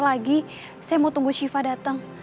bentar lagi saya mau tunggu siva datang